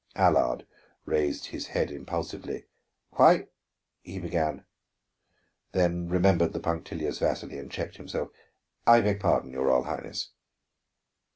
Allard raised his head impulsively. "Why," he began, then remembered the punctilious Vasili and checked himself. "I beg pardon, your Royal Highness."